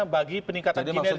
bagi peningkatan kinerja pemerintah